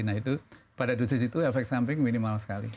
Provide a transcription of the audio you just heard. nah itu pada dosis itu efek samping minimal sekali